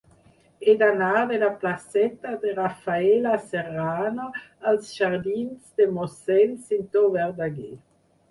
He d'anar de la placeta de Rafaela Serrano als jardins de Mossèn Cinto Verdaguer.